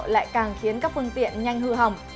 lại càng khiến các phương tiện nhanh hư hỏng